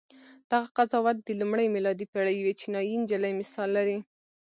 دغه قضاوت د لومړۍ میلادي پېړۍ یوې چینایي نجلۍ مثال لري.